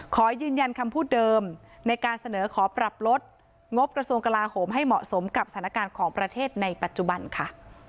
ขอยืนยันคำพูดเดิมในการเสนอขอปรับลดงบกระทรวงกลาโหมให้เหมาะสมกับสถานการณ์ของประเทศในปัจจุบันค่ะ